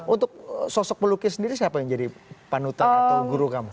untuk sosok pelukis sendiri siapa yang jadi panutan atau guru kamu